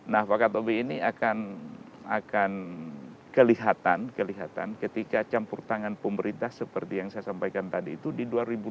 nah pakatobi ini akan kelihatan ketika campur tangan pemerintah seperti yang saya sampaikan tadi itu di dua ribu dua puluh